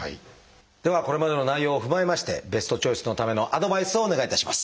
ではこれまでの内容を踏まえましてベストチョイスのためのアドバイスをお願いいたします。